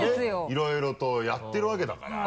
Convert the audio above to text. いろいろとやってるわけだから。